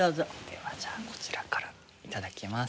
ではじゃあこちらから頂きます。